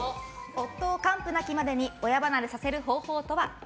夫を完膚なきまでに親離れさせる方法とは。